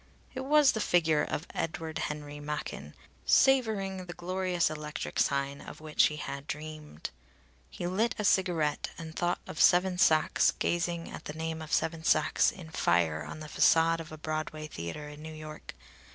It was the figure of Edward Henry Machin, savouring the glorious electric sign of which he had dreamed. He lit a cigarette, and thought of Seven Sachs gazing at the name of Seven Sachs in fire on the façade of a Broadway theatre in New York.